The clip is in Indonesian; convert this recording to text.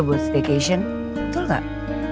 buat vacation betul gak